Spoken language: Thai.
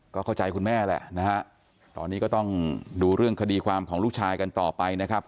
ก็เข้าใจคุณแม่แหละนะฮะตอนนี้ก็ต้องดูเรื่องคดีความของลูกชายกันต่อไปนะครับ